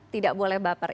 tidak boleh baper